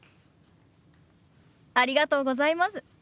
ありがとうございます。